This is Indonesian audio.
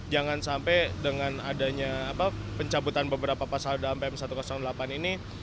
jangan sampai dengan adanya pencabutan beberapa pasal dalam pm satu ratus delapan ini